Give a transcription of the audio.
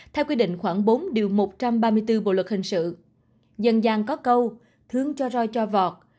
theo quy định khoảng bốn điều một trăm ba mươi bốn bộ luật hình sự dần dàng có câu thương cho roi cho vọt